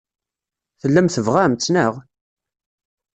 Tellam tebɣam-tt, naɣ?